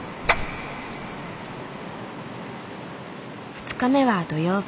２日目は土曜日。